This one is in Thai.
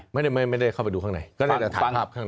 ไม่ได้เข้าไปดูข้างในก็ได้แต่ถามภาพข้างหน้า